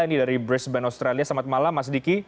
ini dari brisbane australia selamat malam mas diki